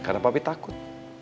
karena papi takut